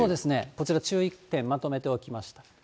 こちら注意点、まとめておきました。